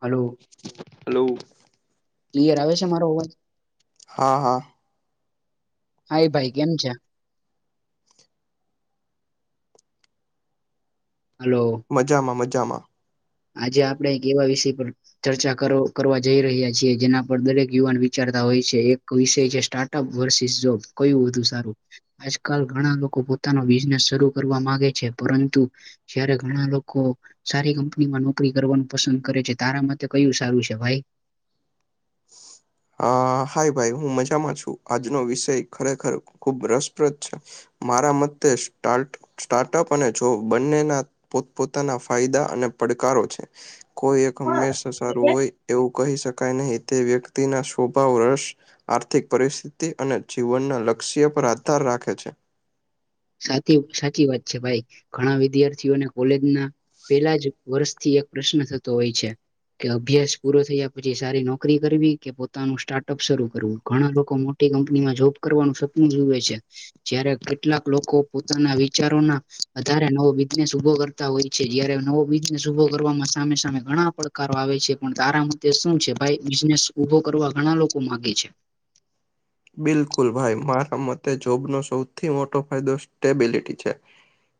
Hello hello clear આવે છે મારો અવાજ હા હા. હા એ ભાઈ કેમ છે. હલો. મજામાં મજામાં. આજે આપડે એવા વિષય પર ચર્ચા કરો કરવા જઈ રહ્યા છીએ જેના પર દરેક યુવાન વિચારતા હોય છે એક વિષય છે સ્ટાર્ટ અપ વર્ષિસ જો કયું વધુ સારું. આજકાલ ઘણા લોકો પોતાનો બિઝનેસ શરૂ કરવા માંગે છે પરંતુ જ્યારે ઘણા લોકો સારી કંપની માં નોકરી કરવાનું પસંદ કરે છે તારા માટે કયું સારું છે ભાઈ. હ હાય ભાઈ હું મજામાં છું આજનો વિષય ખરેખર ખુબ રસપ્રદ છે. મારા મતે સ્ટાર્ટ સ્ટાર્ટઅપ અને જોબ બંનેના પોત પોતાના ફાયદા અને પડકારો છે. કોઈ એક હંમેશા સારું હોય એવું કહી શકાય નહીં તે વ્યક્તિના સ્વભાવ રસ આર્થિક પરિસ્થિતિ અને જીવનના લક્ષ્ય પર આધાર રાખે છે. સાચી સાચી વાત છે ભાઈ ઘણા વિદ્યાર્થીઓને કોલેજના પેહલા જ વર્ષથી એક પ્રશ્ન થતો હોય છે. કે અભ્યાસ પૂરો થયા પછી સારી નોકરી કરવી કે પોતાનું સ્ટાર્ટઅપ શરૂ કરવું ઘણાં લોકો મો ટી કંપનીમાં જોબ કરવાનું સપનું જોવે છે જયારે કેટલાક લોકો પોતાના વિચારોના આધારે નવો બિઝનેસ ઊભો કરતા હોય છે જયારે નવો બિ બિઝનેસ ઉભો કરવામાં સામે સામે ઘણા પડકારો આવે છે પણ તારા મતે શું છે ભાઈ બિઝનેસ? ઊભો કરવા ઘણા લોકો માંગે છે. બિલકુલ ભાઈ મારા મતે જોબનો સૌથી મોટો ફાયદો સ્ટેબિલિટી છે.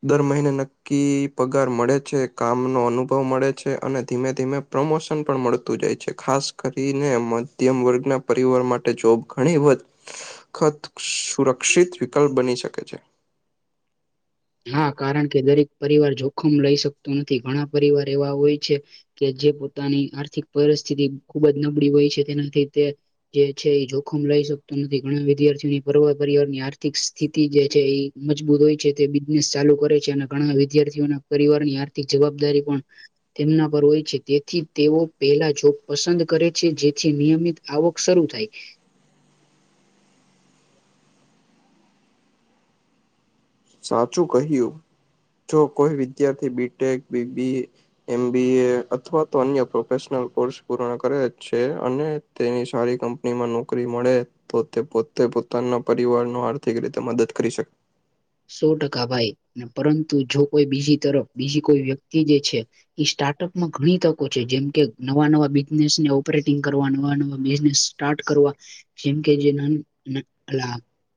દર મહિને નક્કી પગાર મળે છે કામનો અનુભવ મળે છે અને ધીમે ધીમે પ્રમોશન પણ મળતું જાય છે ખાસ કરીને મધ્યમ વર્ગના પરિવાર માટે જોબ ઘણી વ ખત સુરક્ષિત વિકલ્પ બની શકે છે. હા કારણ કે દરેક પરિવાર જોખમ લઈ શકતું નથી ઘણાં પરિવાર એવા હોય છે કે જે પોતાની આર્થિક પરિસ્થિતિ ખૂબ જ નબળી હોય છે તેનાથી તે જે છે ઈ જોખમ લઈ શકતું નથી ઘણાં વિદ્યાર્થીઓની પરવ કરિયરની આર્થિક સ્થિતિ જે છે ઈ મજબૂત હોય છે તે બિઝનેસ ચાલુ કરે છે અને ઘણાં વિદ્યાર્થીઓના પરિવારની આર્થિક જવાબદારી પણ તેમના પર હોય છે તેથી તેઓ પેહલા જોબ પસંદ કરે છે જેથી નિયમિત આવક શરૂ થાય. સાચું કહ્યું જો કોઈ વિદ્યાર્થી બી ટેક, બીબી એમ બી એ અથવા તો અન્ય પ્રોફેશનલ કોર્સ પૂર્ણ કરે છે અને તેની સારી કંપનીમાં નોકરી મળે. તો તે પોતે પોતાનાં પરિવારનો આર્થિક રીતે મદદ કરી શ સો ટકા ભાઈ પરંતુ જો કોઈ બીજી તરફ બીજી કોઈ વ્યક્તિ જે છે સ્ટાર્ટઅપમાં ઘણી તકો છે જેમ કે નવાં નવાં બિઝનેસને ઓપરેટિંગ કરવા નવાં-નવાં બિઝનેસ સ્ટાર્ટ કરવા જેમકે જે ના અલા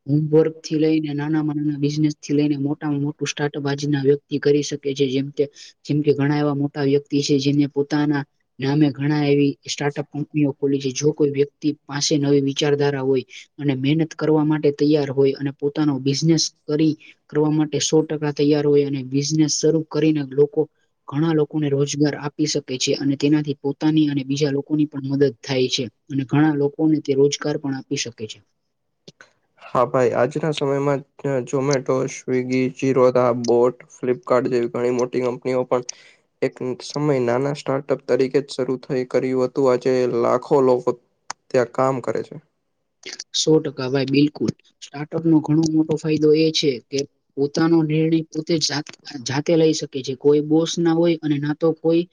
હોમવર્કથી લઈને નાનાંમા નાના બિઝનેસથી લઈને મોટામાં મોટું સ્ટાર્ટઅપ આજનાં વ્યક્તિ કરી શકે છે જેમ કે જેમ કે ઘણાં એવા મોટા વ્યક્તિ છે જેને પોતાનાં નામે ઘણા એવી સ્ટાર્ટઅપ કંપનીઓ ખોલી છે જો કોઈ વ્યક્તિ પાસે નવી વિચારધારા હોય અને મહેનત કરવા માટે તૈયાર હોય અને પોતાનો બિઝનેસ કરી કરવા માટે સો ટકા તૈયાર હોય અને બિઝનેસ શરૂ કરીને લોકો ઘણાં લોકોને રોજગાર આપી શકે છે અને તેનાથી પોતાની અને બીજા લોકોની પણ મદદ થાય છે. અને ઘણાં લોકોને તે રોજગાર પણ આપી શકે છે. હા ભાઈ આજના સમયમાં ઝોમેટો, સ્વિગી, ચીરોદા બોટ ફ્લિપકાર્ટ જેવી ઘણી મોટી કંપનીઓ પણ એક સમય નાના સ્ટાર્ટઅપ તરીકે જ શરૂ થઈ કર્યું હતું આજે લાખો લોકો ત્યાં કામ કરે છે. સો ટકા ભાઈ બિલકુલ, સ્ટાર્ટઅપનો ઘણો મોટો ફાયદો એ છે કે પોતાનો નિર્ણય પોતે જાત જાતે લઈ શકે છે કોઈ બોસ ના હોય અને ના તો કોઈ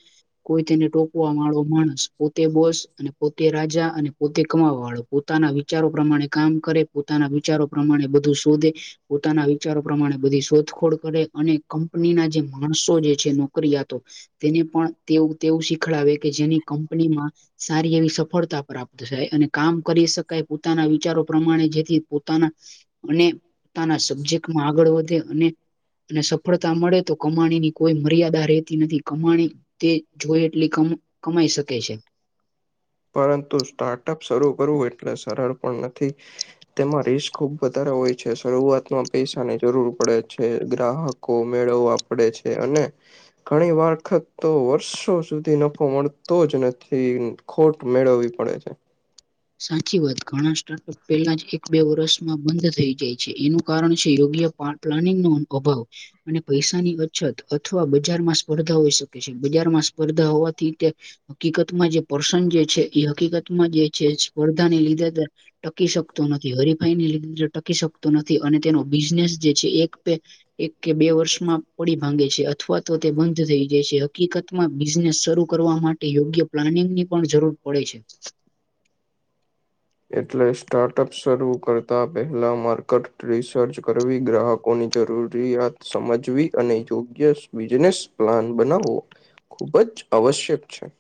કોઈ તેને ટોકવાવાળો માણસ, પોતે બોસ અને પોતે રાજા અને પોતે કમાવાવાળો પોતે પોતાનાં વિચારો પ્રમાણે કામ કરે પોતાનાં વિચારો પ્રમાણે બધું શોધે. પોતાના વિચારો પ્રમાણે બધી શોધખોળ કરે અને કંપનીના જે માણસો જે છે નોકરીયાતો તેને પણ તેઓ તેવું શીખડાવે કે જેની કંપનીમાં સારી એવી સફળતા પ્રાપ્ત થાય અને કામ કરી શક કાઈ પોતાના વિચારો પ્રમાણે જેથી પોતાનાં અને પોતાના સબ્જેક્ટમાં આગળ વધે અને અને સફળતા મળે તો કમાણીની કોઈ મર્યાદા રહેેતી નથી કમાણી તે જોએ એટલી ક કમાઈ શકે છે. પરંતુ સ્ટાર્ટઅપ શરૂ કરવું એટલે સરળ પણ નથી. તેમાં રિસ્ક ખુબ વધારે હોય છે, શરૂઆતમાં પૈસાની જરૂર પડે છે ગ્રાહક કો મેળવવા પડે છે અને ઘણી વરખત તો વર્ષો સુધી નફો મળતો જ નથી ખોટ મેળવવી પડે છે [inaudible] સાચી વાત ઘણા સ્ટાર્ટઅપ પહેલા જ એક બે વર્ષમાં બંધ થઈ જાય છે એનું કારણ છે યોગ્ય પ્લાનિંગ નો અભાવ અને પૈસાની અછત અથવા બજારમાં સ્પર્ધા હોઈ શકે છે બજારમાં સ્પર્ધા હોવાથી તે હકીકતમાં જે પર્સન જે છે એ હકીકતમાં જે છે સ્પર્ધાને લીધે ટકી શકતો નથી હરીફાઈની લીધ ટકી શકતો નથી અને તેનો બિઝનેસ જે છે એક એક કે બે વર્ષમાં પડી ભાંગે છે અથવા તો તે બંધ થઈ જાય છે હકીકત બિઝનેસ શરૂ કરવા માટે યોગ્ય પ્લાનિંગ ની પણ જરૂર પડે છે એટલે સ્ટાર્ટઅપ શરૂ કરતા પહેલા માર્કટ રિસર્ચ કરવી ગ્રાહક ની જરૂરિયાત સમજવી અને યોગ્ય બિઝનેસ પ્લાન બનાવવો ખુબ જ આવશ્યક છે [inaudible]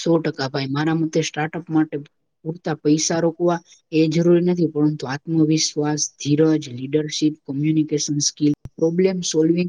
સો ટકા ભાઈ મારા મતે સ્ટાર્ટઅપ માટે પૂરતા પૈસા રોકવા એ જરૂરી નથી પરંતુ આત્મવિશ્વાસ ધીરજ leadership communication skill problem solving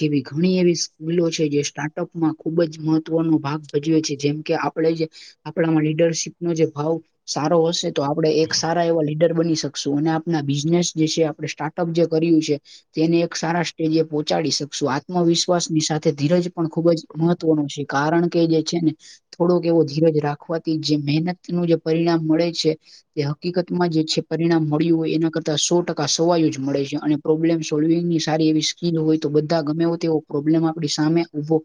જેવી ઘણી એવી સ્કૂલો છે જે સ્ટાર્ટઅપમાં ખુબ જ મહત્વનો ભાગ ભજ્યો છે જેમ કે આપણે જે આપણામાં લીડરશીપનોો જે ભાવ સારો હશે તો આપડણે એક સારા એવા લીડર બની શકશું અને આપણા બિઝનેસ જે છે આપણે સ્ટાર્ટ જે કર્યું છે તેને એક સારા સ્ટેજે પહોંચાડી શકશું આત્મવિશ્વાસની સાથે ધીરજ પણ ખૂબ જ મહત્વનો છે કારણ કે જે છે ને થોડોક એવો ધીરજ રાખવાથી જે મહેનત નું જે પરિણામ મળે છે એ હકીકતમાં જે છે પરિણામ મળ્યું હોય એના કરતા સો ટકા સવાય જ મળે છે અને પ્રોબ્લેમ સોલ્વિંગ ની સારી એવી સ્કીલ હોય બધા ગમે તેવો પ્રોબ્લેમ આપણી સામે ઉભો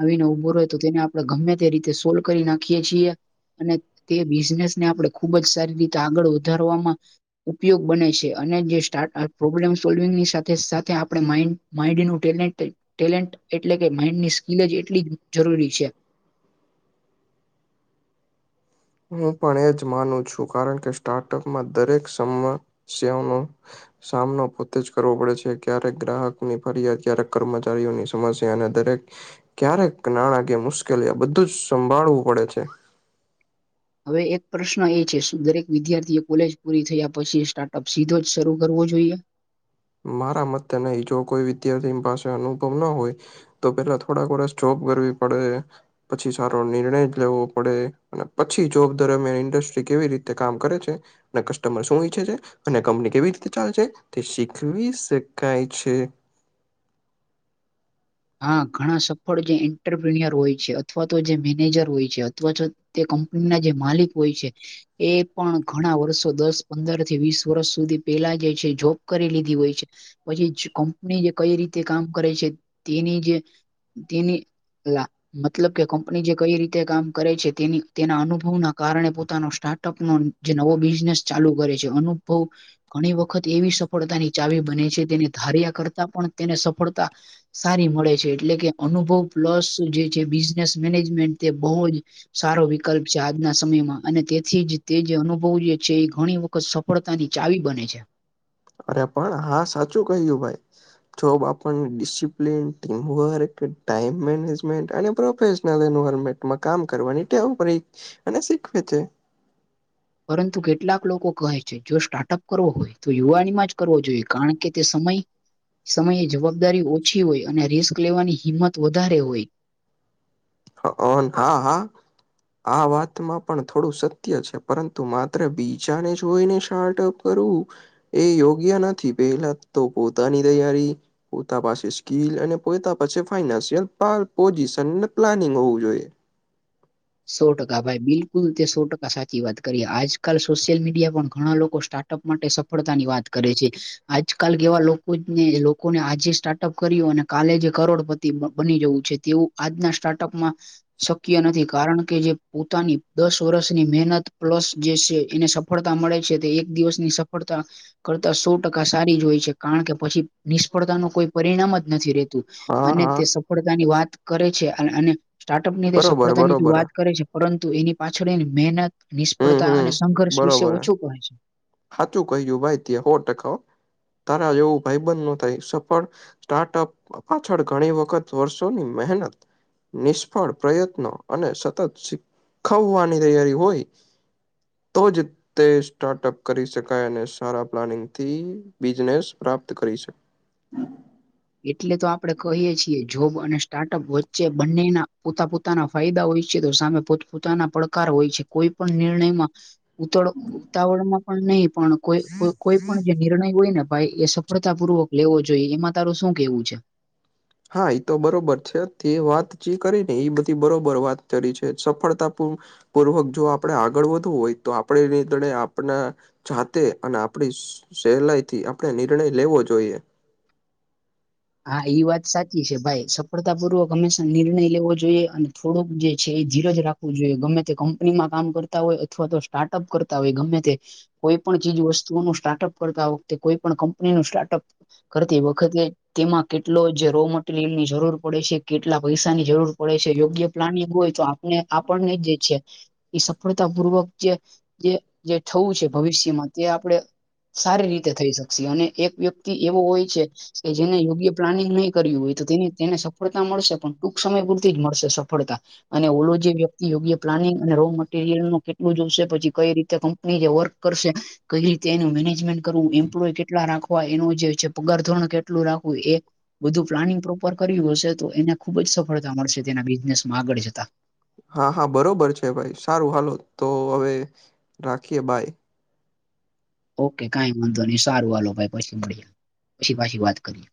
આવીને ઉભો ર તો તેને આપે ગમે તેીતે સોલ્ કરી નાખીએ છીએ અને તે બિઝનેસને આપણે ખુબ જ સારી રીતે આગળ વધારવામાં ઉપયોગ બને છે અને જે સ્ટાર પ્રોબ્લેમ સોલ્વિંગની સાથે સાથે આપણે માન્ડ માઇન્ડ નું ટેલેન્ટ ટેલેન્ટ એટલે કે માઇન્ડ ની સ્કીિલ જ એટલી જરૂરી છે હું પણ એજ માનું છું કારણ કે સ્ટાર્ટઅપમાં દરેક સમસ્યાનો સામનો પોતે જ કરવો પડે છે ક્યારેક ગ્રાહકની ફરિયાદ ક્યારેક કર્મચારીઓની સમસ્યા અને દરેક ક્યારેક નાણાં કે મુશ્કેલી આ બધું જ સંભાળવું પડે છે હવે એક પ્રશ્ન એ છે દરેક વિદ્યાર્થી એ કોલેજ પૂરી થયા પછી સ્ટાર્ટઅપ સીધો જ શરૂ કરવો જોઈએ મારા મ નહી જો કોઈ વિદ્યાર્થી પાસે અનુભવ ના હોય તો પેલા થોડાક વર્ષ જોબ કરવી પડે પછી સારો નિર્ણય લેવો પડે અને પછી જોબ દરમિયાન ઇન્ડસ્ટ્રી કેવી રીતે કામ કરે છે અને કસ્ટમર શું ઈચ્છે છે અને કંપની કેવી રીતે ચાલે છે શી શખવી શકાય છે હા ઘણા સફળ જે એન્ટરપ્રિનર હોય છે અથવા તો જે મેનેજર હોય છે અથવા તો તે કંપની ના જે માલિક હોય છે એ પણ ઘણા વર્ષો દસ પંદર થી વીસ વર્ષ સુધી પેલા જે છે જોબ કરી લીધી હોય છે પછી કંપની જે કઈ રીતે કામ કરે છે તેની જે તેની લ મતલબ કે કંપની જે કઈ રીતે કામ કરે છે તેની તેના અનુભવના કારણે પોતાનો સ્ટાર્ટઅપનો જે નવો બિઝનેસ ચાલુ કરે છે અનુભવ ઘણી વખત એવી સફળતાની ચાવી બને છે તેને ધાર્યા કરતા પણ તેને સફળતા સારી મળે છે એટલે કે અનુભવ પ્લસ જે છે બિઝનેસ મેનેજમેન્ટ તે બહુ જ સારો વિકલ્પ લા આજના સમયમાં અને તેથી જ તે જે અનુભવ જે છે એ ઘણી વખત સફળતા ની ચાવી બને છે અરે પણ હા સાચું કહ્યું ભાઈ જોબ આપ ડિસિપ્લિન ટીમવર્ક ટાઈમ મેનેજમેન્ટ અને પ્રોફેશનલ એન્વારમેન્ટ કામ કરવાની ટેવું પડી અને શીખવે છે પરંતુ કેટલાક લોકો કહે છે જો સ્ટાર્ટઅપ કરવો હોય તો યુવાનીમાં જ કરવો જોઈએ, કારણ કે તે સમય સમયે જવાબદારી ઓછી હોય અને રિસ્ક લેવાની હિંમત વધારે હોય. ઓન, હા-હા. આ વાતમાં પણ થોડું સત્ય છે, પરંતુ માત્ર બીજાને જોઈને શાર્ટઅપ કરવુ. એ યોગ્ય નથી પેહલા તો પોતાની તૈયારી પોતા પાસે સ્કીલ અને પોયતા પાસે ફાઈનાન્શિયલ પાય પોઝિશન પ્લાનિંગ હોવું જોઈએ. સો ટકા ભાઈ બિલકુલ તે સો ટકા સાચી વાત કરી, આજકાલ સોશિયલ મીડિયા પણ ઘણા લોકો સ્ટાર્ટ ટપ માટે સફળતા ની વાત કરે છે. આજકાલ કેવા લોકો જ ને લોકોને આજે સ્ટાર્ટઅપ કર્યુ, અને કાલે જે કરોડપતિ બ બની જવું છે. તેવું આજના સ્ટાર્ટઅપમાં શક્ય નથી કારણ કે જે પોતાની દસ વર્ષની મેનત પ્લસ જે સે એને સફળતા મળે છે તે એક દિવસની સફ પડતા કરતા સો ટકા સારી જ હોય છે, કારણ કે પછી નિષ્ફળતા નો કોઈ પરિણામ જ નથી રે. તુ હા અને તે હા સફળતા ની વાત કરે છે અને અને સ્ટાર્ટઅપ ની તે બરોબર સફળતા ની બરોબર વાત કરે છે, પળંતુ એની પાછળ એન મેનત હમ નિષ્ફળતા અને સંઘર્ષ વિશે ઓછું કહે છે. હાચું કહ્યું ભાઈ ત્યે હો ટકા હો. તારા જેવું ભાઈ બંધ ન થાય સફળ ટાટઅપ પાછળ ઘણી વખત વર્ષોની મહેનત નિષ્ફળ પ્રયત્નો અને સતત ખ્ખવવાની તૈયારી હોય, તો જ તે ટાટઅપ કરી શકાય અને સારા પ્લાનિંગ થી બિઝનેસ પ્રાપ્ત કરી શ એટલે તો આપડે કહીએ છીએ, જોબ અને સ્ટાર્ટઅપ વચ્ચે બંનેના પોતા પોત તાના ફાયદા હોય છે, તો સામે પોત પોતાના પડકાર હોય છે. કોઈ પણ નિર્ણયમાં ઉતળ ઉત્તાવળ માં પણ નઈ પણ કોઈ કોઈ પણ જે નિર્ણય હોય ને ભઈ એ સફળતા પૂર્વક લેવો જોઈએ. એમાં તારું શું કેવું છે? હા એ તો બરોબર છે, તે વાત જે કરી ને એ બધી બરોબર વાત કરી છે સફળતાપૂ પૂર્વક જો આપડણે આગળ વધવું હોય તો આપડણે ળીત આપને જાતે અને આપડણી સો સહેલાઈ થી આપણે નિર્ણય લેવો જોઈએ. હા ઈ વાત સાચી છે, ભાઈ. ફળતાપૂર્વક હંમેશા નિર્ણય લેવો જોઈએ અને થોડુંક જે છે, એ જીરજ રાખવું જોઈએ. ગમે તે કંપનીમાં કામ કર તા હોય અથવા તો સ્ટાર્ટઅપ કરતા હોય ગમે તે. કોઈ પણ ચીજ વસ્તુઓનું સ્ટાર્ટઅપ કરતા વખતે, કોઈ પણ કંપનીનું સ્ટાર્ટઅપ કરતી વખતે તેમાં કેટલો જ રો મટીરિયલની જરૂર પડે છે, કેટલા પઈસાની જરૂર પડે છે, યોગ્ય પ્લાનિંગ હોય તો આ ને આપણને જે છે. એ સફળતા પૂર્વક જે જે થવું છે ભવિષ્યમાં તે આપડણે. સારી રીતે થઈ શકશે અને એક વ્યક્તિ એવો હોય છે કે જે જેને યોગ્ય પ્લાનિંગ નહીં કર્યું હોય તો તેની તેને સફળતા મળશે પણ ટૂંક સમય પૂરતી જ મળશે સફળતા. અને ઓલો જે વ્યક્તિ યોગ્ય પ્લાનિંગ અને રો મટીરયલનું કેટલું જોશે પછી કઈ રીતે હ પની જે વર્ક કરશે કઈ રીતે એનું મેનેજમેન્ટ કરવું, એમ્પ્લોય કેટલા રાખવું? વા એનું જે છે પગાર ધોરણ કેટલું રાખવું એ બધું પ્લાનિંગ પ્રોપર કર્યું હશે, તો એને ખુબ જ સફળતા મળશે, તેના બિઝનેસમાં આગળ જતા. હા હા બરોબર છે, ભઈ. સારું હાલો તો હવે રાખીએ, બાય. ઓકે કઈ વાંધો નહી સારું વાલો ભાઈ પછી મળીએ, પછી પાછી વાત કરીએ.